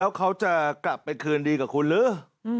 แล้วเขาจะกลับไปคืนดีกับคุณหรือ